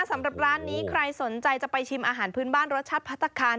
สำหรับร้านนี้ใครสนใจจะไปชิมอาหารพื้นบ้านรสชาติพัฒนาคาร